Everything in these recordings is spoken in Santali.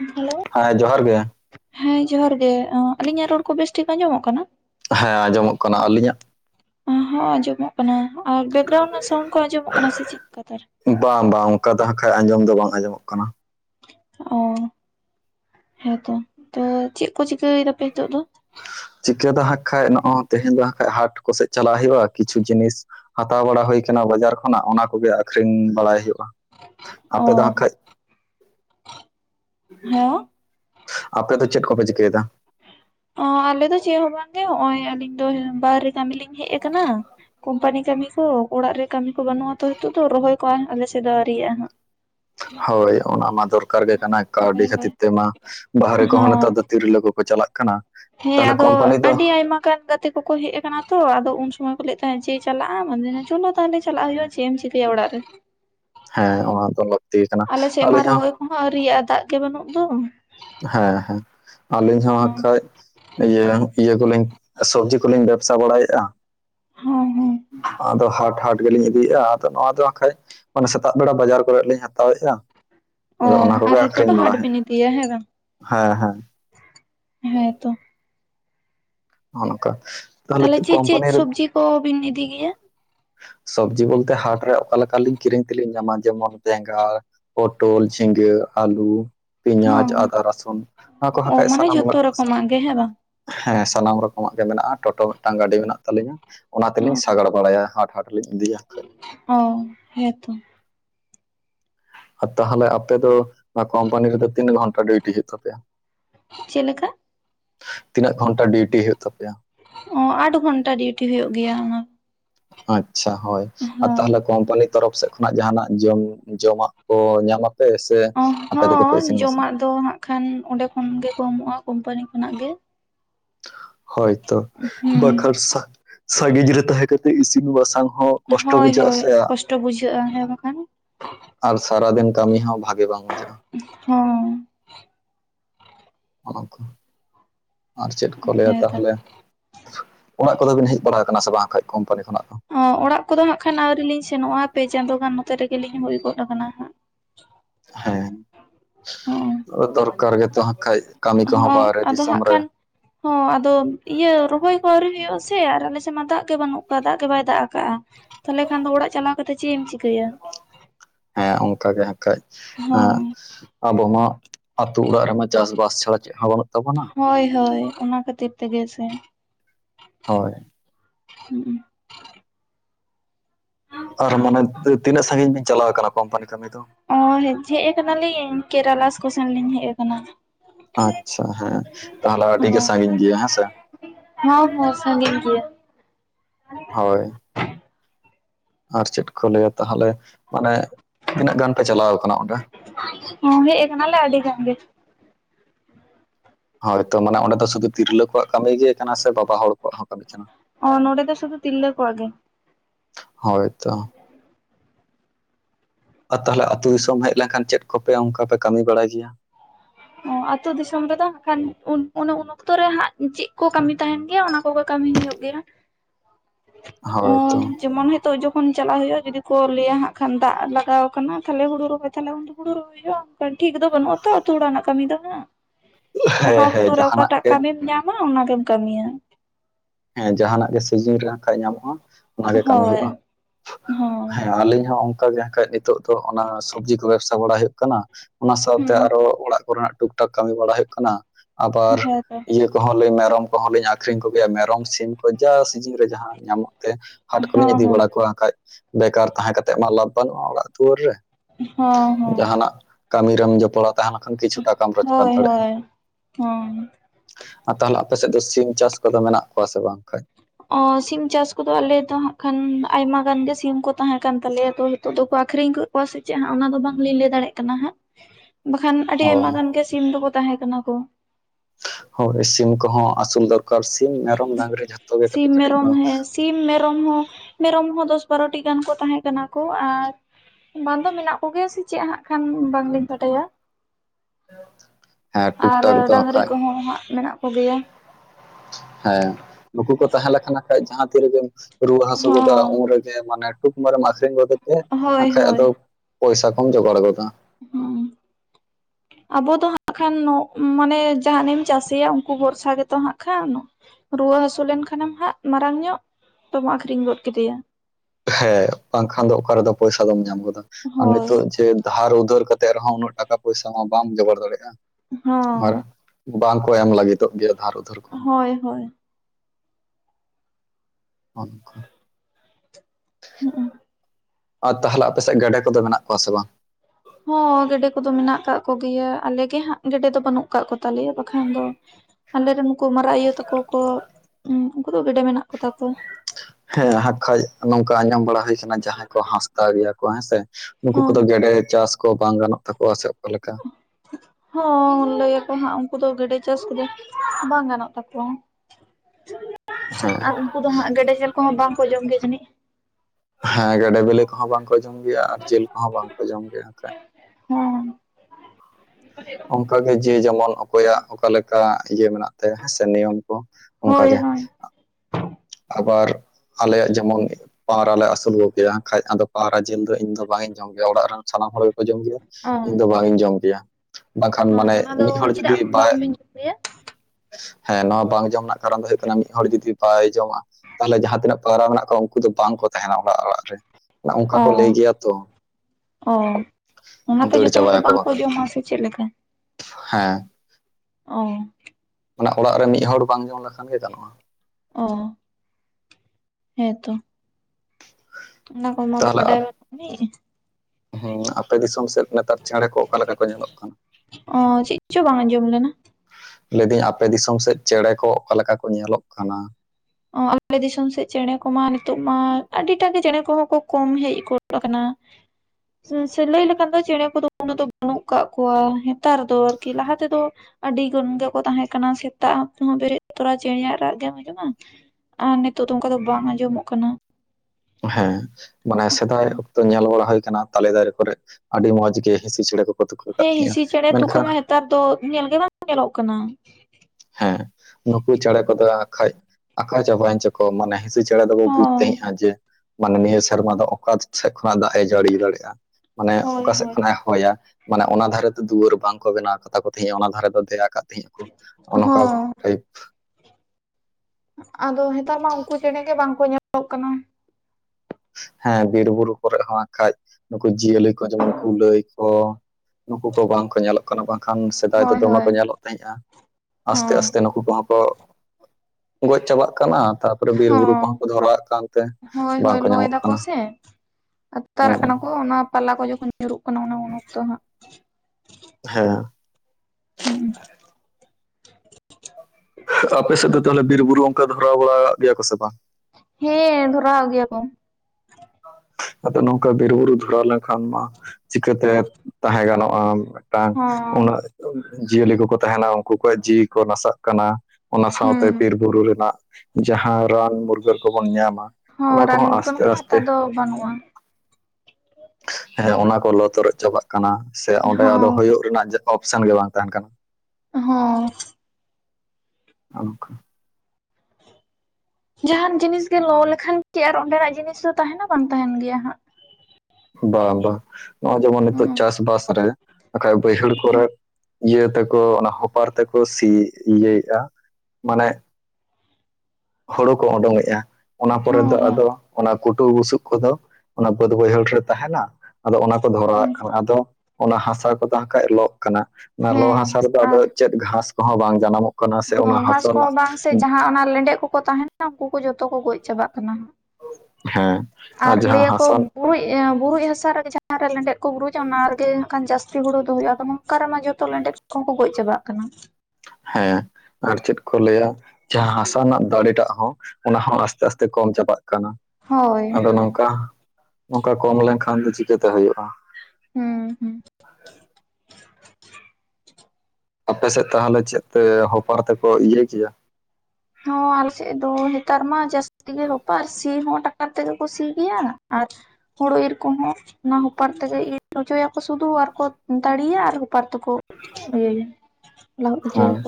ᱦᱮᱞᱳ᱾ ᱦᱮᱸ ᱡᱚᱦᱟᱨ ᱜᱮ᱾ ᱦᱮᱸ ᱡᱚᱦᱟᱨ ᱜᱮ ᱟᱹᱞᱤᱧᱟᱜ ᱨᱚᱲ ᱠᱚ ᱵᱮᱥ ᱴᱷᱤᱠ ᱟᱸᱡᱚᱢᱚᱜ ᱠᱟᱱᱟ᱾ ᱦᱮᱸ ᱟᱸᱡᱚᱢᱚᱜ ᱠᱟᱱᱟ ᱟᱞᱤᱧᱟᱜ ᱦᱚᱸ ᱟᱸᱡᱚᱢᱚᱜ ᱠᱟᱱᱟ ᱟᱨ ᱵᱮᱠᱜᱨᱟᱣᱩᱱᱰ ᱨᱮᱱᱟᱜ ᱥᱟᱣᱩᱱᱰ ᱠᱚ ᱟᱸᱡᱚᱢᱚᱜ ᱠᱟᱱᱟ ᱥᱮ ᱪᱮᱫ ᱠᱟᱛᱟᱨ᱾ ᱵᱟᱝ ᱵᱟᱝ ᱚᱱᱠᱟ ᱫᱚ ᱦᱟᱸᱜ ᱠᱷᱟᱡ ᱟᱸᱡᱚᱢ ᱫᱚ ᱵᱟᱝ ᱟᱸᱡᱚᱢᱚᱜ ᱠᱟᱱᱟ᱾ ᱚ ᱦᱮᱸ ᱛᱚ ᱛᱚ ᱟᱫᱚ ᱪᱮᱫ ᱠᱚ ᱪᱤᱠᱟᱹᱭ ᱫᱟᱯᱮ ᱱᱤᱛᱚᱜ ᱫᱚ ᱪᱤᱠᱟᱹ ᱫᱚ ᱦᱟᱸᱜ ᱠᱷᱟᱡ ᱱᱚᱜᱼᱚᱭ ᱛᱮᱦᱮᱧ ᱫᱚ ᱦᱟᱸᱴ ᱦᱟᱴ ᱠᱚᱥᱮᱫ ᱪᱟᱞᱟᱜ ᱦᱳᱭᱳᱜᱼᱟ ᱠᱤᱪᱷᱩ ᱡᱤᱱᱤᱥ ᱦᱟᱛᱟᱣ ᱵᱟᱲᱟ ᱦᱳᱭ ᱠᱟᱱᱟ ᱵᱟᱡᱟᱨ ᱠᱷᱚᱱᱟᱜ ᱚᱱᱟ ᱠᱚᱜᱮ ᱟᱠᱷᱨᱤᱧ ᱵᱟᱲᱟᱭ ᱦᱳᱭᱳᱜᱼᱟ ᱚ ᱟᱯᱮ ᱫᱚ ᱦᱟᱸᱜ ᱠᱷᱟᱡ ᱦᱮᱸ᱾ ᱟᱯᱮ ᱫᱚ ᱪᱮᱫ ᱠᱚᱯᱮ ᱪᱤᱠᱟᱹᱭᱫᱟ? ᱚ ᱟᱞᱮ ᱫᱚ ᱪᱮᱫ ᱦᱚᱸ ᱵᱟᱝ ᱜᱮ ᱦᱚᱜᱚᱭ ᱟᱹᱞᱤᱧ ᱫᱚ ᱵᱟᱭᱨᱮ ᱠᱟᱹᱢᱤ ᱞᱤᱧ ᱦᱮᱡ ᱟᱠᱟᱱᱟ᱾ ᱠᱳᱢᱯᱟᱱᱤ ᱠᱟᱹᱢᱤ ᱠᱚ ᱚᱲᱟᱜ ᱨᱮ ᱠᱟᱹᱢᱤ ᱠᱚ ᱵᱟᱹᱱᱩᱜᱼᱟ ᱛᱚ ᱱᱤᱛᱚᱜ ᱫᱚ ᱨᱚᱦᱚᱭ ᱠᱚ ᱟᱞᱮᱥᱫ ᱫᱚ ᱟᱹᱣᱨᱤᱭᱟᱜᱼᱟ ᱦᱟᱸᱜ᱾ ᱦᱳᱭ ᱚᱱᱟᱢᱟ ᱫᱚᱨᱠᱟᱨ ᱜᱮ ᱠᱟᱱᱟ ᱠᱟᱹᱣᱰᱤ ᱦᱳᱭ ᱦᱳᱭ ᱠᱷᱟᱹᱛᱤᱨ ᱛᱮᱢᱟ᱾ ᱵᱟᱦᱨᱮ ᱠᱚᱦᱚᱸ ᱦᱚᱸ ᱱᱮᱛᱟᱨ ᱫᱚ ᱛᱤᱨᱞᱟᱹ ᱠᱚᱠᱚ ᱪᱟᱞᱟᱜ ᱠᱟᱱᱟ᱾ ᱦᱮᱸ ᱛᱟᱦᱚᱞᱮ ᱟᱫᱚ ᱠᱳᱢᱯᱟᱱᱤ ᱫᱚ ᱟᱹᱰᱤ ᱟᱭᱢᱟ ᱜᱟᱱ ᱜᱟᱛᱮ ᱠᱚᱠᱚ ᱦᱮᱡ ᱟᱠᱟᱱᱟ ᱛᱚ ᱟᱫᱚ ᱩᱱ ᱥᱚᱢᱚᱭ ᱠᱚ ᱞᱟᱹᱭᱮᱜ ᱛᱟᱦᱮᱸᱜ ᱡᱮ ᱪᱟᱞᱟᱜᱼᱟᱢ ᱟᱫᱚᱧ ᱢᱮᱱᱫᱟ ᱪᱚᱞᱚ ᱛᱟᱦᱚᱞᱮ ᱪᱟᱞᱟᱜ ᱦᱩᱭᱩᱜᱼᱟ, ᱪᱮᱜ ᱮᱢ ᱪᱤᱠᱟᱹᱭᱟ ᱚᱲᱟᱜ ᱨᱮ? [inaudible] ᱦᱮᱸ ᱚᱱᱟ ᱫᱚ ᱞᱟᱹᱠᱛᱤ ᱠᱟᱱᱟ, ᱟᱞᱮ ᱥᱮᱫ ᱢᱟ ᱟᱹᱞᱤᱧ ᱦᱚᱸ ᱨᱚᱦᱚᱭ ᱠᱚᱦᱚᱸ ᱟᱹᱣᱨᱤᱭᱟᱜ-ᱟ ᱫᱟᱜ ᱜᱮ ᱵᱟᱹᱱᱩᱜ ᱫᱚ᱾ ᱦᱮᱸ ᱦᱮᱸ ᱟᱹᱞᱤᱧ ᱦᱚᱸ‌ ᱦᱚᱸ ᱠᱷᱟᱡ ᱤᱭᱟᱹ ᱤᱭᱟᱹ ᱠᱚᱞᱤᱧ ᱥᱚᱵᱽᱡᱤ ᱠᱚᱞᱤᱧ ᱵᱮᱵᱽᱥᱟ ᱵᱟᱲᱟᱭᱮᱜ-ᱟ᱾ ᱦᱮᱸ ᱦᱮᱸ᱾ ᱟᱫᱚ ᱦᱟᱴ ᱦᱟᱴ ᱜᱮᱞᱤᱧ ᱤᱫᱤᱭᱮᱜ-ᱟ ᱟᱫᱚ ᱱᱚᱣᱟ ᱫᱚ ᱵᱟᱝᱠᱷᱟᱡ ᱚᱱᱮ ᱥᱮᱛᱟᱜ ᱵᱮᱲᱟ ᱵᱟᱡᱟᱨ ᱠᱚᱨᱮᱜ ᱞᱤᱧ ᱦᱟᱛᱟᱣᱮᱜ-ᱟ ᱟᱫᱚ ᱚᱱᱟ ᱠᱚᱜᱮ ᱟᱠᱷᱨᱤᱧ ᱵᱟᱲᱟ ᱤᱭᱟᱹ ᱦᱮᱸ ᱵᱟᱝ? ᱦᱮᱸ ᱦᱮᱸ᱾ ᱦᱮᱸ ᱛᱚ᱾ ᱚᱱᱠᱟ ᱛᱟᱦᱚᱞᱮ ᱛᱟᱦᱞᱮ ᱪᱮᱜ ᱪᱮᱜ ᱠᱳᱢᱯᱟᱱᱤ ᱨᱮ ᱥᱚᱵᱽᱡᱤ ᱠᱚᱵᱤᱱ ᱤᱫᱤ ᱜᱮᱭᱟ? ᱥᱚᱵᱽᱡᱤ ᱵᱚᱞᱛᱮ ᱦᱟᱴᱨᱮ ᱚᱠᱟ ᱞᱮᱠᱟ ᱞᱤᱧ ᱠᱤᱨᱤᱧ ᱛᱮᱞᱤᱧ ᱧᱟᱢᱟ ᱡᱮᱢᱚᱱ- ᱵᱮᱸᱜᱟᱲ ᱯᱚᱴᱚᱞ, ᱡᱷᱤᱸᱜᱟᱹ, ᱟᱹᱞᱩ ᱯᱮᱸᱭᱟᱡᱽ, ᱦᱚᱸ ᱟᱫᱟ, ᱨᱟᱹᱥᱩᱱ ᱚᱱᱟ ᱠᱚ ᱚ ᱦᱟᱸᱜᱠᱷᱟᱡ ᱢᱟᱱᱮ ᱥᱟᱱᱟᱢ ᱡᱷᱚᱛᱚ ᱨᱚᱠᱚᱢᱟᱜ ᱜᱮ ᱦᱮᱸ ᱵᱟᱝ? [unintelligible] ᱦᱮᱸ ᱥᱟᱱᱟᱢ ᱨᱚᱠᱚᱢᱟᱜ ᱜᱮ ᱢᱮᱱᱟᱜ-ᱟ, ᱴᱚᱴᱳ ᱢᱤᱫᱴᱟᱝ ᱜᱟᱹᱰᱤ ᱢᱮᱱᱟᱜ ᱛᱟᱹᱞᱤᱧᱟ ᱚᱱᱟ ᱛᱮᱞᱤᱧ ᱦᱚᱸ ᱥᱟᱸᱜᱟᱲ ᱵᱟᱲᱟᱭᱟ ᱦᱟᱴ ᱦᱟᱴ᱾ ᱠᱚᱞᱤᱧ ᱤᱫᱤᱭᱟ ᱠᱷᱟᱡ᱾ ᱚ ᱦᱮᱸᱛᱚ᱾ ᱟᱨ ᱛᱟᱦᱚᱞᱮ ᱟᱯᱮ ᱫᱚ ᱚᱱᱟ ᱠᱳᱢᱯᱟᱱᱤ ᱨᱮᱫᱚ ᱛᱤᱱ ᱜᱷᱚᱱᱴᱟ ᱰᱤᱩᱴᱤ ᱦᱩᱭᱩᱜ ᱛᱟᱯᱮᱭᱟ? ᱪᱮᱜ ᱞᱮᱠᱟ? ᱛᱤᱱᱟᱹᱜ ᱜᱷᱚᱱᱴᱟ ᱰᱤᱩᱴᱤ ᱦᱩᱭᱩᱜ ᱛᱟᱯᱮᱭᱟ? ᱚ ᱟᱴ ᱜᱷᱚᱱᱴᱟ ᱰᱤᱩᱴᱤ ᱦᱩᱭᱩᱜ ᱜᱮᱭᱟ ᱚᱱᱟ᱾ ᱟᱪᱪᱷᱟ ᱦᱳᱭ ᱟᱨ ᱦᱚᱸ᱾ ᱛᱟᱦᱚᱞᱮ ᱠᱳᱢᱯᱟᱱᱤ ᱛᱚᱨᱚᱯᱷ ᱥᱮᱫ ᱠᱷᱚᱱᱟᱜ ᱡᱟᱦᱟᱱᱟᱜ ᱡᱚᱢ ᱡᱚᱢᱟᱜ ᱠᱚ ᱧᱟᱢᱟᱯᱮ ᱥᱮ ᱚ ᱟᱯᱮ ᱛᱮᱜᱮ ᱯᱮ ᱦᱮᱸ ᱤᱥᱤᱱ ᱵᱟᱥᱟᱝ ᱡᱚᱢᱟᱜ ᱫᱚ ᱦᱟᱸᱜ ᱠᱷᱟᱱ ᱚᱸᱰᱮ ᱠᱷᱚᱱ ᱜᱮᱠᱚ ᱮᱢᱚᱜ-ᱟ ᱠᱳᱢᱯᱟᱱᱤ ᱠᱷᱚᱱᱟᱜ ᱜᱮ᱾ ᱦᱚᱭ ᱛᱚ ᱦᱩᱸ ᱵᱟᱠᱷᱟᱱ ᱥᱟ-ᱥᱟᱺᱜᱤᱧ ᱨᱮ ᱛᱟᱦᱮᱸ ᱠᱟᱛᱮᱜ ᱤᱥᱤᱱ ᱵᱟᱥᱟᱝ ᱦᱚᱸ ᱠᱚᱥᱴᱚ ᱦᱳᱭ ᱵᱩᱡᱷᱟᱹᱜᱼᱟ ᱦᱳᱭ ᱥᱮ ᱠᱚᱥᱴᱚ ᱵᱩᱡᱷᱟᱹᱜ-ᱟ ᱦᱮᱸ ᱵᱟᱠᱷᱟᱱ᱾ ᱟᱨ ᱥᱟᱨᱟ ᱫᱤᱱ ᱠᱟᱹᱢᱤ ᱦᱚᱸ ᱵᱷᱟᱹᱜᱤ ᱵᱟᱝ ᱵᱩᱡᱷᱟᱹᱜ-ᱟ᱾ ᱦᱮᱸ᱾ ᱚᱱᱟ ᱠᱚ ᱟᱨ ᱪᱮᱫ ᱠᱚ ᱞᱟᱹᱭᱟ ᱦᱮᱸᱛᱚ᱾ ᱛᱟᱦᱚᱞᱮ ᱚᱲᱟᱜ ᱠᱚᱫᱚ ᱵᱤᱱ ᱦᱮᱡ ᱵᱟᱲᱟᱣ ᱠᱟᱱᱟ ᱥᱮ ᱵᱟᱝ ᱠᱷᱟᱡ ᱠᱳᱢᱯᱟᱱᱤ ᱠᱷᱚᱱᱟᱜ ᱫᱚ? ᱚ ᱚᱲᱟᱜ ᱠᱚᱫᱚ ᱦᱟᱸᱜ ᱠᱷᱟᱱ ᱟᱹᱣᱨᱤ ᱞᱤᱧ ᱥᱮᱱᱚᱜ-ᱟ, ᱯᱮ ᱪᱟᱸᱫᱳ ᱜᱟᱱ ᱱᱚᱛᱮ ᱨᱮᱜᱮᱞᱤᱧ ᱦᱩᱭ ᱜᱚᱫ ᱟᱠᱟᱱᱟ ᱦᱟᱸᱜ᱾ ᱦᱮᱸ ᱦᱚᱸ ᱫᱚᱨᱠᱟᱨ ᱜᱮᱛᱚ ᱦᱟᱸᱜ ᱠᱷᱟᱡ ᱠᱟᱹᱢᱤ ᱠᱚᱦᱚᱸ ᱦᱚᱸ ᱵᱟᱦᱨᱮ ᱟᱫᱚ ᱫᱤᱥᱚᱢ ᱦᱟᱸᱜ ᱨᱮ᱾ ᱠᱷᱟᱱ ᱦᱚᱸ ᱟᱫᱚ ᱤᱭᱟᱹ ᱨᱚᱦᱚᱭ ᱠᱚ ᱟᱹᱣᱨᱤ ᱦᱩᱭᱩᱜ-ᱟ ᱥᱮ ᱟᱨ ᱟᱞᱮ ᱥᱮᱜ ᱢᱟ ᱫᱟᱜ ᱜᱮ ᱵᱟᱹᱱᱩᱜ ᱠᱟᱜ-ᱟ ᱫᱟᱜ ᱜᱮ ᱵᱟᱭ ᱫᱟᱜ ᱠᱟᱜ-ᱟ᱾ ᱛᱟᱦᱚᱞᱮ ᱠᱷᱟᱱ ᱫᱚ ᱚᱲᱟᱜ ᱪᱟᱞᱟᱣ ᱠᱟᱛᱮᱜ ᱪᱮᱜ ᱮᱢ ᱪᱤᱠᱟᱹᱭᱟ? ᱦᱮᱸ ᱚᱝᱠᱟ ᱜᱮ ᱦᱟᱸᱜ ᱠᱷᱟᱡ ᱮᱸ ᱦᱚᱸ ᱟᱵᱚ ᱢᱟ ᱟᱛᱩ ᱚᱲᱟᱜ ᱨᱮᱢᱟ ᱪᱟᱥ ᱵᱟᱥ ᱪᱷᱟᱲᱟ ᱪᱮᱫ ᱦᱚᱸ ᱵᱟᱹᱱᱩᱜ ᱛᱟᱵᱚᱱᱟ᱾ ᱦᱳᱭ ᱦᱳᱭ ᱚᱱᱟ ᱠᱷᱟᱹᱛᱤᱨ ᱛᱮᱜᱮ ᱥᱮ᱾ ᱦᱳᱭ᱾ ᱦᱩᱸ-ᱜ ᱩᱸ᱾ ᱟᱨ ᱢᱟᱱᱮ ᱛᱤᱱᱟᱹᱜ ᱥᱟᱺᱜᱤᱧ ᱵᱤᱱ ᱪᱟᱞᱟᱣ ᱠᱟᱱᱟ ᱠᱳᱢᱯᱟᱱᱤ ᱠᱟᱹᱢᱤ ᱫᱚ? ᱚ ᱦᱮᱡᱽ ᱦᱮᱡ ᱟᱠᱟᱱᱟᱞᱤᱧ ᱠᱮᱨᱮᱞᱟᱥ ᱠᱚᱥᱮᱱ ᱞᱤᱧ ᱦᱮᱡ ᱟᱠᱟᱱᱟ᱾ ᱟᱪᱪᱷᱟ ᱦᱮᱸ ᱛᱟᱦᱚᱞᱮ ᱟᱹᱰᱤ ᱜᱮ ᱥᱟᱺᱜᱤᱧ ᱜᱮᱭᱟ ᱦᱮᱸ ᱥᱮ? ᱦᱮᱸ ᱦᱮᱸ ᱥᱟᱺᱜᱤᱧ ᱜᱮᱭᱟ᱾ ᱦᱳᱭ᱾ ᱟᱨ ᱪᱮᱫ ᱠᱚ ᱞᱟᱹᱭᱟ ᱛᱟᱦᱟᱞᱮ ᱢᱟᱱᱮ ᱛᱤᱱᱟᱹᱜ ᱜᱟᱱ ᱯᱮ ᱪᱟᱞᱟᱣ ᱠᱟᱱᱟ ᱚᱸᱰᱮ? [inaudible] ᱦᱚᱸ ᱦᱮᱡ ᱠᱟᱱᱟ ᱞᱮ ᱟᱹᱰᱤ ᱜᱟᱱ ᱜᱮ ᱾ ᱦᱳᱭ ᱛᱚ ᱢᱟᱱᱮ ᱚᱸᱰᱮ ᱫᱚ ᱥᱩᱫᱷᱩ ᱛᱤᱨᱞᱟᱹ ᱠᱚᱣᱟᱜ ᱠᱟᱹᱢᱤ ᱜᱮ ᱠᱟᱱᱟ ᱥᱮ ᱵᱟᱵᱟ ᱦᱚᱲ ᱠᱚᱣᱟᱜ ᱦᱚᱸ ᱠᱟᱹᱢᱤ ᱠᱟᱱᱟ ᱾ ᱚ ᱱᱚᱰᱮ ᱫᱚ ᱥᱩᱫᱷᱩ ᱛᱤᱨᱞᱟᱹ ᱠᱚᱣᱟᱜ ᱜᱮ ᱾ ᱦᱳᱭ ᱛᱚ, ᱟᱨ ᱛᱟᱦᱞᱮ ᱟᱹᱛᱩ ᱫᱤᱥᱚᱢ ᱦᱮᱡ ᱞᱮᱱᱠᱷᱟᱱ ᱪᱮᱫ ᱠᱚᱯᱮ ᱚᱝᱠᱟ ᱯᱮ ᱠᱟᱹᱢᱤ ᱵᱟᱲᱟᱭ ᱜᱮᱭᱟ? ᱦᱚᱸ ᱟᱹᱛᱩ ᱫᱤᱥᱚᱢ ᱨᱮᱫᱚ ᱟᱠᱷᱟᱱ ᱩᱱ ᱩᱱᱚᱠᱛᱚ ᱨᱮ ᱦᱟᱸᱜ ᱪᱮᱜ ᱠᱚ ᱠᱟᱹᱢᱤ ᱛᱟᱦᱮᱱ ᱜᱮᱭᱟ ᱚᱱᱟ ᱠᱚᱜᱮ ᱠᱟᱹᱢᱤ ᱦᱩᱭᱩᱜ ᱾ ᱜᱮᱭᱟ [inaudible] ᱚᱸ ᱦᱳᱭᱛᱚ ᱡᱮᱢᱚᱱ ᱛᱚ ᱡᱚᱠᱷᱚᱱ ᱪᱟᱞᱟᱜ ᱦᱩᱭᱩᱜᱼᱟ ᱡᱩᱫᱤ ᱠᱚ ᱞᱟᱹᱭᱟ ᱦᱟᱸᱜ ᱠᱷᱟᱱ ᱫᱟᱜ ᱞᱟᱜᱟᱣ ᱠᱟᱱᱟ ᱛᱷᱟᱞᱮ ᱦᱩᱲᱩ ᱨᱚᱦᱚᱭ ᱛᱷᱟᱞᱮ ᱩᱱᱫᱚ ᱦᱩᱲᱩ ᱨᱚᱦᱚᱭ ᱦᱩᱭᱩᱜᱼᱟ ᱾ ᱴᱷᱤᱠ ᱫᱚ ᱵᱟᱹᱱᱩᱜ ᱟ ᱛᱚ ᱟᱹᱛᱩ ᱚᱲᱟᱜ ᱱᱟᱜ ᱠᱟᱹᱢᱤ ᱫᱚ ᱦᱟᱸᱜ ᱚᱠᱟ ᱦᱮᱸ ᱦᱮᱸ ᱚᱠᱛᱚᱨᱮ ᱡᱟᱦᱟᱱᱟᱜ ᱚᱠᱟᱴᱟᱜ ᱜᱮ ᱠᱟᱹᱢᱤᱢ ᱧᱟᱢ ᱢᱟ ᱚᱱᱟ ᱜᱮᱢ ᱠᱟᱹᱢᱤᱭᱟ ᱾ ᱦᱮᱸ ᱡᱟᱦᱟᱱᱟᱜ ᱜᱮ ᱥᱤᱡᱤᱱ ᱨᱮ ᱦᱟᱜᱠᱷᱟᱡ ᱧᱟᱢᱚᱜᱼᱟ ᱾ ᱚᱱᱟᱜᱮ ᱠᱟᱹᱢᱤ ᱦᱳᱭ ᱦᱩᱭᱩᱜᱼᱟ ᱦᱳᱭ ᱦᱮᱸ ᱟᱹᱞᱤᱧ ᱦᱚᱸ ᱚᱝᱠᱟ ᱜᱮ ᱦᱟᱜ ᱠᱷᱟᱡ ᱱᱤᱛ ᱛᱚᱜ ᱫᱚ ᱚᱱᱟ ᱥᱚᱵᱽᱡᱤ ᱠᱚ ᱵᱮᱵᱥᱟ ᱵᱟᱲᱟ ᱦᱩᱭᱩᱜ ᱠᱟᱱᱟ ᱚᱱᱟ ᱥᱟᱶᱛᱮ ᱦᱩᱸ ᱟᱨᱚ ᱚᱲᱟᱜ ᱠᱚᱨᱮᱱᱟᱜ ᱴᱩᱠ ᱴᱟᱠ ᱠᱟᱹᱢᱤ ᱵᱟᱲᱟ ᱦᱩᱭᱩᱜ ᱠᱟᱱᱟ ᱟᱵᱟᱨ ᱦᱮᱸ ᱛᱚ ᱤᱭᱟᱹ ᱠᱚᱦᱚᱸ ᱞᱮ ᱢᱮᱨᱚᱢ ᱠᱚᱦᱚᱸ ᱞᱤᱧ ᱟᱹᱠᱷᱨᱤᱧ ᱠᱚᱜᱮᱭᱟ ᱢᱮᱨᱚᱢ ᱴᱚᱝ ᱥᱤᱢ ᱠᱚ ᱡᱟ ᱥᱤᱡᱤᱱ ᱨᱮ ᱡᱟᱦᱟᱸ ᱧᱟᱢᱚᱜ ᱛᱮ ᱦᱟᱴ ᱦᱚᱸ ᱠᱚᱞᱤᱧ ᱤᱫᱤ ᱦᱚᱸ ᱵᱟᱲᱟ ᱠᱚᱣᱟ ᱦᱟᱸ ᱠᱷᱟᱡ ᱾ ᱵᱮᱠᱟᱨ ᱛᱟᱦᱮᱸ ᱠᱟᱛᱮ ᱢᱟ ᱞᱟᱵᱷ ᱵᱟᱹᱱᱩᱜᱼᱟ ᱚᱲᱟᱜ ᱫᱩᱣᱟᱹᱨ ᱨᱮ ᱦᱚᱸ ᱦᱚᱸ ᱡᱟᱦᱟᱱᱟᱜ ᱠᱟᱹᱢᱤ ᱨᱮᱢ ᱡᱚᱯᱚᱲᱟᱣ ᱛᱟᱦᱮᱸᱞᱮᱱᱠᱷᱟᱱ ᱠᱤᱪᱷᱩ ᱴᱟᱠᱟᱢ ᱨᱳᱡᱽᱜᱟᱨ ᱦᱳᱭ ᱫᱟᱲᱮᱜᱼᱟ ᱦᱳᱭ ᱦᱚᱸ ᱾ ᱟᱨ ᱛᱟᱦᱮᱞᱮ ᱟᱯᱮ ᱥᱮᱫ ᱫᱚ ᱥᱤᱢ ᱪᱟᱥ ᱠᱚᱫᱚ ᱢᱮᱱᱟᱜ ᱠᱚᱣᱟ ᱥᱮ ᱵᱟᱝᱠᱷᱟᱡ? ᱚᱸ ᱥᱤᱢ ᱪᱟᱥ ᱠᱚᱫᱚ ᱟᱞᱮ ᱫᱚ ᱦᱟᱸᱜ ᱠᱷᱟᱱ ᱟᱭᱢᱟ ᱜᱟᱱ ᱜᱮ ᱥᱤᱢ ᱠᱚ ᱛᱟᱦᱮᱸ ᱠᱟᱱ ᱛᱟᱞᱮᱭᱟ ᱛᱚ ᱛᱚᱜ ᱫᱚᱠᱚ ᱟᱹᱠᱷᱨᱤᱧ ᱠᱟᱹᱜ ᱠᱚᱣᱟ ᱥᱮ ᱪᱮᱜ ᱦᱟᱸᱜ ᱚᱱᱟ ᱫᱚ ᱵᱟᱝᱞᱤᱧ ᱞᱟᱹᱭ ᱫᱟᱲᱮᱭᱟᱜ ᱠᱟᱱᱟ ᱦᱟᱸᱜ ᱾ ᱵᱟᱠᱷᱟᱱ ᱟᱹᱰᱤ ᱟᱭᱢᱟ ᱦᱳᱭ ᱜᱟᱱ ᱜᱮ ᱥᱤᱢ ᱫᱚᱠᱚ ᱛᱟᱦᱮᱸ ᱠᱟᱱᱟ ᱠᱚ ᱾ ᱦᱳᱭ ᱥᱤᱢ ᱠᱚᱦᱚᱸ ᱟᱹᱥᱩᱞ ᱫᱚᱨᱠᱟᱨ ᱥᱤᱢ ᱢᱮᱨᱚᱢ ᱰᱟᱝᱨᱤ ᱡᱷᱚᱛᱚ ᱜᱮ ᱠᱟᱹᱴᱤᱡ ᱥᱤᱢ ᱠᱟᱹᱴᱤᱡ ᱫᱚ ᱢᱮᱨᱚᱢ ᱾ ᱦᱮᱸ ᱥᱤᱢ ᱢᱮᱨᱚᱢ ᱦᱚᱸ ᱢᱮᱨᱚᱢ ᱦᱚᱸ ᱫᱚᱥ ᱵᱟᱨᱚᱴᱤ ᱜᱟᱱ ᱠᱚ ᱛᱟᱦᱮᱸ ᱠᱟᱱᱟ ᱠᱚ ᱟᱨ ᱵᱟᱝ ᱫᱚ ᱢᱮᱱᱟᱜ ᱠᱚᱜᱮᱭᱟ ᱥᱮ ᱪᱮᱜ ᱦᱟᱸᱜ ᱠᱷᱟᱱ ᱵᱟᱝᱞᱤᱧ ᱵᱟᱰᱟᱭᱟ ᱾ [inaudible] ᱟᱨ ᱴᱟᱠ ᱫᱚ ᱦᱟᱸᱜ ᱠᱷᱟᱡ ᱰᱟᱹᱝᱨᱤ ᱠᱚᱦᱚᱸ ᱦᱟᱸᱜ ᱢᱮᱱᱟᱜ ᱠᱚᱜᱮᱭᱟ ᱾ ᱦᱮᱸ ᱱᱩᱠᱩ ᱠᱚ ᱛᱟᱦᱮᱸ ᱞᱮᱠᱷᱟᱱ ᱦᱟᱜ ᱠᱷᱟᱡ ᱡᱟᱦᱟᱸ ᱛᱤᱱᱨᱤᱜᱮᱢ ᱨᱩᱣᱟᱹ ᱦᱟᱹᱥᱩ ᱜᱚᱫᱟ ᱦᱚᱸ ᱩᱱᱨᱮ ᱨᱮ ᱢᱟᱱᱮ ᱴᱩᱠ ᱢᱟᱨᱮ ᱟᱹᱠᱷᱨᱤᱧ ᱜᱚᱫᱮ ᱛᱮ ᱦᱳᱭ ᱟᱠᱷᱟᱡ ᱦᱳᱭ ᱟᱫᱚ ᱯᱚᱭᱥᱟ ᱠᱚᱢ ᱡᱚᱜᱟᱲ ᱜᱚᱫᱟ ᱾ [inaudible] ᱟᱵᱚ ᱫᱚ ᱦᱟᱸᱜ ᱠᱷᱟᱱ ᱱᱚᱜ ᱢᱟᱱᱮ ᱡᱟᱦᱟᱱᱮᱢ ᱪᱟᱹᱥᱮᱭᱟ ᱩᱱᱠᱩ ᱵᱷᱚᱨᱥᱟ ᱜᱮᱛᱚ ᱦᱟᱸᱜ ᱠᱷᱟᱱ ᱾ ᱨᱩᱣᱟᱹ ᱦᱟᱹᱥᱩ ᱞᱮᱱᱠᱷᱟᱱᱮᱢ ᱦᱟᱸᱜ ᱢᱟᱨᱟᱝ ᱧᱚᱜ ᱛᱚᱢ ᱟᱹᱠᱷᱨᱤᱧ ᱜᱚᱫ ᱠᱮᱫᱮᱭᱟ ᱾ ᱦᱮᱸ ᱵᱟᱝᱠᱷᱟᱱ ᱫᱚ ᱚᱠᱟ ᱨᱮᱫᱚ ᱯᱚᱭᱥᱟ ᱫᱚᱢ ᱧᱟᱢ ᱜᱚᱫᱟ ᱟᱨ ᱦᱳᱭ ᱱᱤᱛᱚᱜ ᱡᱮ ᱫᱷᱟᱨ ᱩᱫᱷᱟᱹᱨ ᱠᱟᱛᱮᱜ ᱨᱮᱦᱚᱸ ᱩᱱᱟᱹᱜ ᱴᱟᱠᱟ ᱯᱚᱭᱥᱟ ᱦᱚᱸ ᱵᱟᱢ ᱡᱚᱜᱟᱲ ᱫᱟᱲᱮᱜᱼᱟ ᱾ᱟᱨ ᱦᱚᱸ ᱵᱟᱝ ᱠᱚ ᱮᱢ ᱞᱟᱹᱜᱤᱫᱚᱜ ᱜᱮᱭᱟ ᱫᱷᱟᱨ ᱩᱫᱷᱟᱹᱨ ᱠᱚᱦᱚᱸ ᱾ ᱦᱳᱭ ᱦᱳᱭ ᱾ ᱚᱱᱠᱟ ᱾ ᱦᱩᱜ ᱦᱩᱸ ᱾ ᱟᱨ ᱛᱟᱦᱟᱞᱮ ᱟᱯᱮ ᱥᱮᱜ ᱜᱮᱰᱮ ᱠᱚᱫᱚ ᱢᱮᱱᱟᱜ ᱠᱚᱣᱟ ᱥᱮ ᱵᱟᱝ? ᱦᱚᱸ ᱜᱮᱰᱮ ᱠᱚᱫᱚ ᱢᱮᱱᱟᱜ ᱠᱟᱜ ᱠᱚᱜᱮᱭᱟ ᱟᱞᱮ ᱜᱮ ᱦᱟᱸᱜ ᱜᱮᱰᱮ ᱫᱚ ᱵᱟᱹᱱᱩᱜ ᱠᱟᱜ ᱠᱚᱛᱟᱞᱮᱭᱟ ᱵᱟᱠᱷᱟᱱ ᱫᱚ ᱾ ᱟᱞᱮ ᱨᱮᱱ ᱱᱩᱠᱩ ᱢᱟᱨᱟᱜ ᱤᱭᱟᱹ ᱛᱟᱠᱚ ᱠᱚ ᱩᱱᱠᱩ ᱫᱚ ᱜᱮᱰᱮ ᱢᱮᱱᱟᱜ ᱠᱚ ᱛᱟᱠᱚ ᱾ ᱦᱮᱸ ᱦᱟᱜᱠᱷᱟᱡ ᱱᱚᱝᱠᱟ ᱟᱸᱡᱚᱢ ᱵᱟᱲᱟ ᱦᱩᱭᱠᱟᱱᱟ ᱡᱟᱦᱟᱸᱭ ᱠᱚ ᱦᱟᱸᱥᱫᱟ ᱜᱮᱭᱟ ᱠᱚ ᱦᱮᱸ ᱥᱮ ᱱᱩᱠᱩ ᱦᱚᱸ ᱠᱚᱫᱚ ᱜᱮᱰᱮ ᱪᱟᱥ ᱠᱚ ᱵᱟᱝ ᱜᱟᱱᱚᱜ ᱛᱟᱠᱚᱣᱟ ᱥᱮ ᱚᱠᱟ ᱞᱮᱠᱟ? [inaudible] ᱦᱚᱸ ᱞᱟᱹᱭᱟᱠᱚ ᱦᱟᱸᱜ ᱩᱱᱠᱩ ᱫᱚ ᱜᱮᱰᱮ ᱪᱟᱥ ᱠᱚᱫᱚ ᱵᱟᱝ ᱜᱟᱱᱚᱜ ᱛᱟᱠᱚᱣᱟ ᱾ ᱦᱮᱸ ᱟᱨ ᱩᱝᱠᱩ ᱫᱚ ᱦᱟᱸᱜ ᱜᱮᱰᱮ ᱡᱮᱞ ᱠᱚᱦᱚᱸ ᱵᱟᱝᱠᱚ ᱡᱚᱢ ᱜᱮᱭᱟ ᱡᱟᱹᱱᱤᱡ᱾ ᱦᱮᱸ ᱜᱮᱰᱮ ᱵᱤᱞᱤ ᱠᱚᱦᱚᱸ ᱵᱟᱝᱠᱚ ᱡᱚᱢ ᱜᱮᱭᱟ ᱟᱨ ᱡᱮᱞ ᱠᱚᱦᱚᱸ ᱵᱟᱝᱠᱚ ᱡᱚᱢ ᱜᱮᱭᱟ ᱦᱟᱸᱜ ᱠᱷᱟᱡ᱾ ᱦᱮᱸ᱾ ᱚᱝᱠᱟ ᱜᱮ ᱡᱮ ᱡᱮᱢᱚᱱ ᱚᱠᱚᱭᱟᱜ ᱚᱠᱟ ᱞᱮᱠᱟ ᱟᱜ ᱤᱭᱟᱹ ᱢᱮᱱᱟᱜ ᱛᱟᱭᱟ ᱦᱮᱸ ᱥᱮ ᱱᱤᱭᱚᱢ ᱠᱚ᱾ ᱚᱝᱠᱟ ᱦᱳᱭ ᱜᱮ᱾ ᱦᱳᱭ ᱟᱵᱟᱨ ᱟᱞᱮᱭᱟᱜ ᱡᱮᱢᱚᱱ ᱯᱟᱸᱣᱨᱟ ᱞᱮ ᱟᱹᱥᱩᱞ ᱠᱚᱜᱮᱭᱟ [inaudible] ᱠᱷᱟᱡ ᱟᱫᱚ ᱯᱟᱣᱨᱟ ᱡᱤᱞ ᱫᱚ ᱤᱧ ᱫᱚ ᱵᱟᱝ ᱤᱧ ᱡᱚᱢ ᱜᱮᱭᱟ ᱚᱲᱟᱜ ᱨᱮᱱ ᱥᱟᱱᱟᱢ ᱦᱚᱲ ᱠᱚ ᱡᱚᱢ ᱜᱮᱭᱟ, ᱚ ᱤᱧ ᱫᱚ ᱵᱟᱝ ᱤᱧ ᱡᱚᱢ ᱠᱮᱭᱟ᱾ ᱵᱟᱝᱠᱷᱟᱱ ᱚ ᱢᱟᱱᱮ ᱚᱱᱟ ᱫᱚ ᱢᱤᱫ ᱦᱚᱲ ᱡᱩᱫᱤ ᱪᱮᱫᱟᱜ ᱵᱟᱭ ᱵᱟᱝᱵᱤᱱ ᱡᱚᱢᱮᱭᱟ? ᱦᱮᱸ ᱱᱚᱣᱟ ᱵᱟᱝ ᱡᱚᱢ ᱨᱮᱱᱟᱜ ᱠᱟᱨᱚᱱ ᱫᱚ ᱦᱩᱭᱩᱜ ᱠᱟᱱᱟ ᱢᱤᱫ ᱦᱚᱲ ᱡᱩᱫᱤ ᱵᱟᱭ ᱡᱚᱢᱟ, ᱛᱟᱦᱚᱞᱮ ᱡᱟᱦᱟᱸ ᱛᱤᱱᱟᱹᱜ ᱯᱟᱭᱟᱣᱨᱟ ᱢᱮᱱᱟᱜ ᱠᱚᱣᱟ ᱩᱝᱠᱩ ᱫᱚ ᱵᱟᱝ ᱠᱚ ᱛᱟᱦᱮᱸᱱᱟ ᱚᱲᱟᱜ ᱚᱲᱟᱜ ᱨᱮ᱾ ᱚᱱᱟ ᱚᱝᱠᱟ ᱚ ᱠᱚ ᱞᱟᱹᱭ ᱜᱮᱭᱟ ᱛᱚ᱾ ᱚ, ᱚᱱᱟᱛᱮ ᱫᱟᱹᱲ ᱡᱚᱛᱚ ᱦᱚᱲ ᱫᱚ ᱪᱟᱵᱟᱭᱟᱠᱚ ᱵᱟᱝᱠᱚ ᱵᱟᱝᱠᱷᱟᱱ ᱡᱚᱢᱟ ᱥᱮ ᱪᱮᱫ ᱞᱮᱠᱟ? ᱦᱮᱸ᱾ ᱚᱻ᱾ ᱢᱟᱱᱮ ᱚᱲᱟᱜ ᱨᱮ ᱢᱤᱫ ᱦᱚᱲ ᱵᱟᱝ ᱡᱚᱢ ᱞᱮᱠᱷᱟᱱ ᱜᱮ ᱜᱟᱱᱚᱜᱼᱟ᱾ ᱚᱻ᱾ ᱦᱮᱸ ᱛᱳ᱾ ᱚᱱᱟ ᱠᱚᱢᱟ ᱛᱟᱦᱚᱞᱮ ᱵᱟᱰᱟᱭ ᱵᱟᱹᱱᱩᱜ [inaudible] ᱦᱮᱸ ᱟᱯᱮ ᱫᱤᱥᱚᱢ ᱥᱮᱫ ᱱᱮᱛᱟᱨ ᱪᱮᱬᱮ ᱠᱚ ᱚᱠᱟ ᱞᱮᱠᱟ ᱠᱚ ᱧᱮᱞᱚᱜ ᱠᱟᱱᱟ? ᱚᱸᱻ ᱪᱮᱫ ᱪᱚ ᱵᱟᱝ ᱟᱸᱡᱚᱢ ᱞᱮᱱᱟ᱾ ᱞᱟᱹᱭᱮᱫᱟᱹᱧ ᱟᱯᱮ ᱫᱤᱥᱚᱢ ᱥᱮᱫ ᱪᱮᱬᱮ ᱠᱚ ᱚᱠᱟ ᱞᱮᱠᱟ ᱠᱚ ᱧᱮᱞᱚᱜ ᱠᱟᱱᱟ? ᱚ ᱟᱞᱮ ᱫᱤᱥᱚᱢ ᱥᱮᱫ ᱪᱮᱬᱮ ᱠᱚᱢᱟ ᱱᱤᱛᱚᱜ ᱢᱟ ᱟᱹᱰᱤ ᱴᱟᱜ ᱜᱮ ᱪᱮᱬᱮ ᱠᱚᱦᱚᱸ ᱠᱚ ᱠᱚᱢ ᱦᱮᱪ ᱜᱚᱫ ᱟᱠᱟᱱᱟ᱾ ᱥᱮ ᱞᱟᱹᱭ ᱞᱮᱠᱷᱟᱱ ᱫᱚ ᱪᱮᱬᱮ ᱠᱚᱫᱚ ᱩᱱᱟᱹᱜ ᱫᱚ ᱵᱟᱹᱱᱩᱜ ᱠᱟᱜ ᱠᱚᱣᱟ ᱦᱮᱸᱛᱟᱨ ᱫᱚ ᱟᱨᱠᱤ ᱞᱟᱦᱟ ᱛᱮᱫᱚ ᱟᱹᱰᱤ ᱜᱟᱱ ᱜᱮᱠᱚ ᱛᱟᱦᱮᱸ ᱠᱟᱱᱟ ᱥᱮᱛᱟᱜ [inaudible] ᱵᱮᱨᱮᱫ ᱛᱚᱨᱟ ᱪᱮᱬᱮᱭᱟᱜ ᱨᱟᱜ ᱜᱮᱢ ᱟᱡᱚᱢᱟ᱾ ᱟᱸᱻ ᱱᱤᱛᱚᱜ ᱫᱚ ᱚᱝᱠᱟ ᱫᱚ ᱵᱟᱝ ᱟᱸᱡᱚᱢᱚᱜ ᱠᱟᱱᱟ᱾ ᱦᱮᱸ᱾ ᱢᱟᱱᱮ ᱥᱮᱫᱟᱭ ᱚᱠᱛᱚ ᱧᱮᱞ ᱵᱟᱲᱟ ᱦᱳᱭ ᱠᱟᱱᱟ, ᱛᱟᱞᱮ ᱫᱟᱨᱮ ᱠᱚᱨᱮ ᱟᱹᱰᱤ ᱢᱚᱸᱡᱽ ᱜᱮ ᱦᱤᱸᱥᱤ ᱪᱮᱬᱮ ᱠᱚ ᱠᱚ ᱛᱩᱠᱟᱹ ᱠᱟᱜ ᱛᱟᱦᱮᱸᱜᱼᱟ᱾ ᱢᱮᱱᱠᱷᱟᱱ ᱛᱟᱨ ᱫᱚ ᱧᱮᱞ ᱜᱮ ᱵᱟᱝ ᱧᱮᱞᱚᱜ ᱠᱟᱱᱟ᱾ ᱦᱮᱸ, ᱱᱩᱠᱩ ᱪᱮᱬᱮ ᱠᱚᱫᱚ ᱟᱠᱷᱟᱡ ᱟᱠᱟ ᱪᱟᱵᱟᱭᱮᱱ ᱪᱚᱠᱚ ᱢᱟᱱᱮ ᱦᱤᱸᱥᱤ ᱪᱮᱸ ᱪᱮᱸᱬᱮ ᱫᱚᱠᱚ ᱵᱩᱡ ᱦᱚᱸ ᱛᱟᱦᱮᱸᱜᱼᱟ ᱡᱮ, ᱢᱟᱱᱮ ᱱᱤᱭᱟᱹ ᱥᱮᱨᱢᱟ ᱫᱚ ᱚᱠᱟ ᱥᱮᱫ ᱠᱷᱚᱱᱟᱜ ᱫᱟᱜ ᱮ ᱡᱟᱹᱲᱤ ᱫᱟᱲᱮᱜ-ᱟ, ᱢᱟᱱᱮ ᱦᱳᱭ ᱟᱠᱚ ᱥᱮᱫ ᱦᱳᱭ ᱠᱷᱚᱱᱟᱜ ᱮ ᱦᱚᱭᱟ, ᱢᱟᱱᱮ ᱚᱱᱟ ᱫᱷᱟᱨᱮ ᱛᱮ ᱫᱩᱣᱟᱹᱨ ᱵᱟᱝᱠᱚ ᱵᱮᱱᱟᱣ ᱠᱟᱛᱟ ᱠᱚ ᱛᱟᱦᱮᱸᱫᱼᱟ ᱚᱱᱟ ᱫᱷᱟᱨᱮ ᱫᱚ ᱫᱮᱭᱟ ᱠᱟᱜ ᱛᱟᱦᱮᱸᱜ-ᱟ ᱠᱚ᱾ ᱚᱱᱚᱝᱠᱟ ᱦᱚᱸ ᱴᱟᱭᱤᱯᱷ᱾ ᱟᱫᱚ ᱦᱮᱸᱛᱟᱨ ᱢᱟ ᱩᱝᱠᱩ ᱪᱮᱬᱮ ᱜᱮ ᱵᱟᱝᱠᱚ ᱧᱮᱞᱚᱜ ᱠᱟᱱᱟ᱾ ᱦᱮᱸ ᱵᱤᱨ ᱵᱩᱨᱩ ᱠᱚᱨᱮ ᱦᱚᱸ ᱟᱸᱠᱷᱟᱡ ᱱᱩᱠᱩ ᱡᱤᱭᱟᱹᱞᱤ ᱠᱚ ᱡᱮᱢᱚᱱ ᱠᱩᱞᱟᱹᱭ ᱠᱚ, ᱱᱩᱠᱩ ᱠᱚ ᱵᱟᱝ ᱠᱚ ᱧᱮᱞᱚᱜ ᱠᱟᱱᱟ ᱵᱟᱝᱠᱷᱟᱱ ᱥᱮᱫᱟᱭ ᱫᱚ ᱦᱳᱭ ᱫᱚᱢᱮ ᱦᱳᱭ ᱠᱚ ᱧᱮᱞᱚᱜ ᱛᱟᱦᱮᱸᱜᱼᱟ᱾ ᱟᱥᱛᱮ ᱦᱚᱸ ᱟᱥᱛᱮ ᱱᱩᱠᱩ ᱠᱚᱦᱚᱸ ᱠᱚ ᱜᱚᱡ ᱪᱟᱵᱟᱜ ᱠᱟᱱᱟ ᱛᱟᱯᱚᱨᱮ ᱵᱤᱨ ᱵᱩᱨᱩ ᱠᱚᱦᱚᱸ ᱠᱚ ᱫᱷᱚᱨᱟᱣᱟᱜ ᱠᱟᱱᱛᱮ, ᱵᱟᱝ ᱞᱚᱭ ᱫᱟᱠᱚ ᱥᱮ, ᱟᱛᱟᱨᱟᱜ ᱦᱩᱸ ᱠᱟᱱᱟ ᱠᱚ ᱚᱱᱟ ᱯᱟᱞᱟ ᱠᱚ ᱡᱚᱠᱷᱚᱱ ᱧᱩᱨᱩᱜ ᱠᱟᱱᱟ ᱚᱱᱟ ᱩᱱ ᱚᱠᱛᱚ ᱦᱟᱸᱜ᱾ ᱦᱮᱸ᱾ ᱦᱩᱸᱜ-ᱩᱸ᱾ ᱟᱯᱮ ᱥᱮᱫ ᱫᱚ ᱛᱟᱦᱚᱞᱮ ᱵᱤᱨ ᱵᱩᱨᱩ ᱚᱝᱠᱟ ᱫᱷᱚᱨᱟᱣ ᱵᱟᱲᱟ ᱠᱟᱜ ᱯᱮᱭᱟᱠᱚ ᱥᱮ ᱵᱟᱝ? ᱦᱮᱸ ᱫᱷᱚᱨᱟᱣ ᱜᱮᱭᱟ ᱠᱚ᱾ ᱟᱫᱚ ᱱᱚᱝᱠᱟ ᱵᱤᱨ ᱵᱩᱨᱩ ᱫᱷᱚᱨᱟᱣ ᱞᱮᱝᱠᱷᱟᱱ ᱢᱟ, ᱪᱤᱠᱟᱹᱛᱮ ᱛᱟᱦᱮᱸ ᱜᱟᱱᱚᱜᱼᱟ᱾ ᱴᱟᱝ, ᱦᱚᱸ ᱩᱱᱟᱹᱜ ᱡᱤᱭᱟᱹᱞᱤ ᱠᱚᱠᱚ ᱛᱟᱦᱮᱸᱱᱟ ᱩᱝᱠᱩ ᱠᱚᱣᱟᱜ ᱡᱤᱣᱤ ᱠᱚ ᱱᱟᱥᱟᱜ ᱠᱟᱱᱟ᱾ ᱚᱱᱟ ᱥᱟᱶᱛᱮ ᱦᱩᱸ ᱵᱤᱨᱵᱩᱨᱩ ᱨᱮᱱᱟᱜ ᱡᱟᱸᱦᱟᱸ ᱨᱟᱱ ᱢᱩᱨᱜᱟᱹᱱ ᱠᱚᱵᱚᱱ ᱧᱟᱢᱟ ᱚᱱᱟ ᱦᱚᱸ ᱨᱟᱱ ᱠᱚᱦᱚᱸ ᱢᱩᱨᱜᱟᱹᱱ ᱟᱥᱛᱮ ᱠᱚᱢᱟ ᱟᱥᱛᱮ ᱱᱮᱛᱟᱨ ᱫᱚ ᱵᱟᱹᱱᱩᱜ-ᱟ᱾ ᱦᱮᱸ ᱚᱱᱟ ᱠᱚ ᱞᱚ ᱛᱚᱨᱚᱪ ᱪᱟᱵᱟᱜ ᱠᱟᱱᱟ ᱥᱮ ᱚᱸᱰᱮ ᱟᱫᱚ ᱦᱚᱸ ᱦᱩᱭᱩᱜ ᱨᱮᱱᱟᱜ ᱪᱮᱫ ᱚᱯᱥᱮᱱ ᱜᱮ ᱵᱟᱝ ᱛᱟᱦᱮᱱ ᱠᱟᱱᱟ᱾ ᱦᱚᱸ [inaudible] ᱡᱟᱸᱦᱟᱱ ᱡᱤᱱᱤᱥ ᱜᱮ ᱞᱚ ᱞᱮᱠᱷᱟᱱ ᱠᱮ ᱟᱨ ᱚᱸᱰᱮᱱᱟᱜ ᱡᱤᱱᱤᱥ ᱫᱚ ᱛᱟᱦᱮᱱᱟ? ᱵᱟᱝ ᱛᱟᱦᱮᱱ ᱜᱮᱭᱟ ᱦᱟᱸᱜ᱾ ᱵᱟᱝ ᱵᱟᱝ ᱱᱚᱜᱼᱚᱭ ᱡᱮᱢᱚᱱ ᱱᱤᱛᱚᱜ ᱦᱚᱸ ᱪᱟᱥ-ᱵᱟᱥ ᱨᱮ ᱦᱟᱸᱠᱷᱟᱡ ᱵᱟᱹᱭᱦᱟᱹᱲ ᱠᱚᱨᱮ ᱤᱭᱟᱹ ᱛᱮᱠᱚ ᱚᱱᱟ ᱦᱚᱯᱟᱨ ᱛᱮᱠᱚ ᱥᱤ ᱤᱭᱟᱹᱭᱮᱜᱼᱟ ᱢᱟᱱᱮ ᱦᱩᱲᱩ ᱠᱚ ᱩᱰᱩᱝᱮᱜᱼᱟ, ᱚᱱᱟ ᱯᱚᱨᱮ ᱫᱚ ᱦᱚᱸ ᱟᱫᱚ ᱚᱱᱟ ᱠᱩᱴᱩ ᱵᱩᱥᱩᱵ ᱠᱚᱫᱚ ᱚᱱᱟ ᱵᱟᱹᱫ ᱵᱟᱹᱭᱦᱟᱹᱲ ᱨᱮ ᱛᱟᱦᱮᱱᱟ᱾ ᱟᱫᱚ ᱚᱱᱟ ᱠᱚ ᱦᱚᱸ ᱫᱷᱚᱨᱟᱣᱟᱜ ᱠᱟᱱᱟ ᱟᱫᱚ ᱚᱱᱟ ᱦᱟᱥᱟ ᱠᱚᱫᱚ ᱦᱟᱸᱠᱷᱟᱡ ᱞᱚᱜ ᱠᱟᱱᱟ, ᱚᱱᱟ ᱞᱚ ᱦᱮᱸ ᱦᱟᱥᱟ ᱨᱮᱫᱚ ᱟᱫᱚ ᱟᱨ ᱪᱮᱫ ᱜᱷᱟᱥ ᱠᱚᱦᱚᱸ ᱵᱟᱝ ᱡᱟᱱᱟᱢᱚᱜ ᱠᱟᱱᱟ ᱥᱮ ᱚᱱᱟ ᱦᱚᱸ ᱜᱷᱟᱥ ᱦᱟᱥᱟ ᱨᱮᱱᱟᱜ ᱠᱚᱦᱚᱸ ᱵᱟᱝ ᱥᱮ ᱡᱟᱸᱦᱟᱸ ᱚᱱᱟ ᱞᱮᱸᱰᱮᱜ ᱠᱚᱠᱚ ᱛᱟᱦᱮᱱᱟ ᱩᱝᱠᱩ ᱠᱚ ᱡᱚᱛᱚ ᱠᱚ ᱜᱚᱡ ᱪᱟᱵᱟᱜ ᱠᱟᱱᱟ᱾ ᱦᱮᱸ ᱟᱨ ᱡᱟᱦᱟᱸ ᱞᱟᱹᱭ ᱟᱠᱚ ᱦᱟᱥᱟ ᱵᱩᱨᱩᱡᱽ ᱮᱸ ᱵᱩᱨᱩᱡᱽ ᱦᱟᱥᱟ ᱨᱮᱜᱮ ᱡᱟᱸᱦᱟ ᱨᱮ ᱞᱮᱸᱰᱮᱛ ᱠᱚ ᱵᱩᱨᱩᱡᱟ ᱚᱱᱟ ᱨᱮᱜᱮ ᱦᱟᱸ ᱠᱷᱟᱱ ᱡᱟᱹᱥᱛᱤ ᱦᱩᱲᱩ ᱫᱚ ᱦᱩᱭᱩᱜᱼᱟ, ᱟᱫᱚ ᱱᱚᱝᱠᱟ ᱨᱮᱢᱟ ᱡᱚᱛᱚ ᱞᱮᱸᱰᱮᱛ ᱠᱚ ᱠᱚ ᱜᱚᱡ ᱪᱟᱵᱟᱜ ᱠᱟᱱᱟ᱾ ᱦᱮᱸ ᱟᱨ ᱪᱮᱫ ᱠᱚ ᱞᱟᱹᱭᱟ? ᱡᱟᱸᱦᱟᱸ ᱦᱟᱥᱟ ᱨᱮᱱᱟᱜ ᱫᱟᱲᱮᱴᱟᱜ ᱦᱚᱸ ᱚᱱᱟ ᱦᱚᱸ ᱟᱥᱛᱮ ᱟᱥᱛᱮ ᱠᱚᱢ ᱪᱟᱵᱟᱜ ᱠᱟᱱᱟ᱾ ᱦᱳᱭ ᱟᱫᱚ ᱱᱚᱝᱠᱟ, ᱱᱚᱝᱠᱟ ᱠᱚᱢ ᱞᱮᱱᱠᱷᱟᱱ ᱫᱚ ᱪᱤᱠᱟᱹ ᱛᱮ ᱦᱩᱭᱩᱜᱼᱟ? ᱦᱩᱸ ᱦᱩᱸ ᱟᱯᱮ ᱥᱮᱫ ᱛᱟᱦᱟᱞᱮ ᱪᱮᱫ ᱛᱮ ᱦᱚᱯᱟᱨ ᱛᱮᱠᱚ ᱤᱭᱟᱹᱭ ᱜᱮᱭᱟ? ᱦᱚᱸ ᱟᱞᱮ ᱥᱮᱫ ᱫᱚ ᱦᱮᱛᱟᱨ ᱢᱟ ᱡᱟᱹᱥᱛᱤ ᱜᱮ ᱦᱚᱯᱟᱨ ᱥᱤ ᱦᱚᱸ ᱴᱟᱠᱴᱟᱨ ᱛᱮᱜᱮ ᱠᱚ ᱥᱤ ᱜᱮᱭᱟ, ᱟᱨ ᱦᱩᱲᱩ ᱤᱨ ᱠᱚ ᱦᱚᱸ᱾ ᱚᱱᱟ ᱦᱚᱯᱟᱨ ᱛᱮᱜᱮ ᱤᱨ ᱚᱪᱚᱭᱟᱠᱚ ᱥᱩᱫᱷᱩ ᱟᱨᱠᱚ ᱫᱟᱲᱤᱭᱟ ᱟᱨ ᱦᱚᱯᱟᱨ ᱛᱮᱠᱚ ᱤᱭᱟᱹᱭᱟ ᱞᱟᱦᱩᱜ ᱚᱪᱚᱭᱟᱠᱚ᱾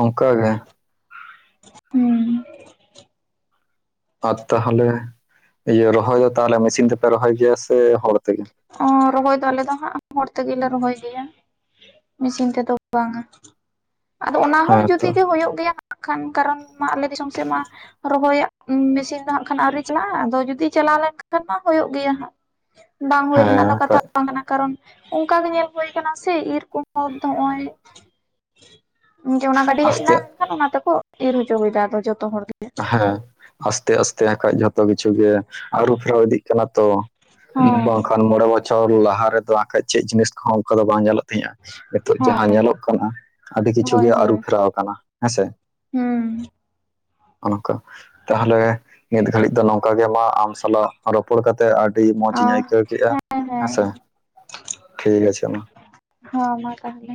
ᱚᱝᱠᱟ ᱜᱮ᱾ ᱦᱩᱸ ᱟᱨ ᱛᱟᱦᱟᱞᱮ ᱤᱭᱟᱹ ᱨᱚᱦᱚᱭ ᱫᱚ ᱛᱟᱦᱟᱞᱮ ᱢᱮᱥᱤᱱ ᱛᱮᱯᱮ ᱨᱚᱦᱚᱭ ᱜᱮᱭᱟ ᱥᱮ ᱦᱚᱲ ᱛᱮᱜᱮ? ᱚᱸ ᱨᱚᱦᱚᱭ ᱫᱚ ᱟᱞᱮ ᱫᱚ ᱦᱟᱸᱜ ᱦᱚᱲ ᱛᱮᱜᱮᱞᱮ ᱨᱚᱦᱚᱭ ᱜᱮᱭᱟ᱾ ᱢᱮᱥᱤᱱ ᱛᱮᱫᱚ ᱵᱟᱝ-ᱟ, ᱟᱫᱚ ᱚᱱᱟ ᱦᱚᱸ ᱦᱮᱸ ᱡᱩᱫᱤ ᱛᱚ ᱜᱮ ᱦᱩᱭᱩᱜ ᱜᱮᱭᱟ᱾ ᱵᱟᱠᱷᱟᱱ ᱠᱟᱨᱚᱱ ᱢᱟ ᱟᱞᱮ ᱫᱤᱥᱚᱢ ᱥᱮᱜ ᱢᱟ ᱨᱚᱦᱚᱭᱟᱜ ᱢᱮᱥᱤᱱ ᱫᱚ ᱦᱟᱸᱜ ᱠᱷᱟᱱ ᱟᱹᱣᱨᱤ ᱪᱟᱞᱟᱜᱼᱟ, ᱟᱫᱚ ᱡᱩᱫᱤ ᱪᱟᱞᱟᱣ ᱞᱮᱱᱠᱷᱟᱱ ᱢᱟ ᱦᱩᱭᱩᱜ ᱜᱮᱭᱟ ᱦᱟᱸᱜ᱾ ᱵᱟᱝ ᱦᱩᱭ ᱨᱮᱱᱟᱜ ᱫᱚ ᱦᱮᱸ ᱠᱟᱛᱷᱟ ᱠᱷᱟᱡ ᱵᱟᱝ ᱠᱟᱱᱟ ᱠᱟᱨᱚᱱ ᱚᱝᱠᱟ ᱜᱮ ᱧᱮᱞ ᱦᱩᱭᱩ ᱠᱟᱱᱟ ᱥᱮ ᱤᱨ ᱠᱚᱦᱚᱸ ᱫᱚ [inaudible] ᱡᱮ ᱚᱱᱟ ᱜᱟᱹᱰᱤ ᱦᱮᱡ ᱮᱱᱟ ᱟᱥᱛᱮ ᱮᱱᱠᱷᱟᱱ ᱚᱱᱟ ᱛᱮᱠᱚ ᱤᱨ ᱦᱚᱪᱚ ᱮᱭᱫᱟ ᱟᱫᱚ ᱡᱚᱛᱚ ᱦᱚᱲ ᱜᱮ᱾ ᱦᱮᱸ ᱟᱥᱛᱮ ᱟᱥᱛᱮ ᱦᱟᱸᱠᱷᱟᱡ ᱡᱷᱚᱛᱚ ᱠᱤᱪᱷᱩ ᱜᱮ ᱟᱹᱨᱩ ᱯᱷᱮᱨᱟᱣ ᱤᱫᱤᱜ ᱠᱟᱱᱟ ᱛᱚ᱾ ᱦᱚᱸ ᱵᱟᱝᱠᱷᱟᱱ ᱢᱚᱬᱮ ᱵᱚᱪᱷᱚᱨ ᱞᱟᱦᱟ ᱨᱮᱫᱚ ᱦᱟᱸᱠᱷᱟᱡ ᱪᱮᱜ ᱡᱤᱱᱤᱥ ᱠᱚᱦᱚᱸ ᱚᱝᱠᱟ ᱫᱚ ᱵᱟᱝ ᱧᱮᱞᱚᱜ ᱛᱟᱦᱮᱸᱜᱼᱟ᱾ ᱱᱤᱛᱚᱜ ᱦᱚᱸ ᱡᱟᱦᱟᱸ ᱧᱮᱞᱚᱜ ᱠᱟᱱᱟ, ᱟᱹᱰᱤ ᱠᱤᱪᱷᱩ ᱦᱳᱭ ᱜᱮ ᱟᱹᱨᱩ ᱦᱳᱭ ᱯᱷᱮᱨᱟᱣ ᱟᱠᱟᱱᱟ ᱦᱮᱸᱥᱮ᱾ ᱦᱩᱸ ᱚᱱᱮ ᱚᱝᱠᱟ, ᱛᱟᱦᱞᱮ ᱱᱤᱛ ᱜᱷᱟᱹᱲᱤᱡ ᱫᱚ ᱱᱚᱝᱠᱟ ᱜᱮ ᱢᱟ ᱟᱢ ᱥᱟᱞᱟᱜ ᱨᱚᱯᱚᱲ ᱠᱟᱛᱮᱜ ᱟᱹᱰᱤ ᱢᱚᱸᱡᱽ ᱚ ᱤᱧ ᱟᱹᱭᱠᱟᱹᱣ ᱠᱮᱜᱼᱟ ᱦᱮᱸ ᱦᱮᱸ ᱦᱮᱸᱥᱮ, ᱴᱷᱤᱠ ᱟᱪᱷᱮ ᱢᱟ᱾ ᱦᱚᱸ ᱢᱟ ᱛᱟᱦᱚᱞᱮ᱾